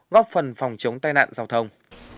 góp phần phòng chống tai nạn giao thông